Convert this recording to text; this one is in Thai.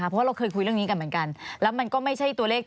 เพราะว่าเราเคยคุยเรื่องนี้กันเหมือนกันแล้วมันก็ไม่ใช่ตัวเลข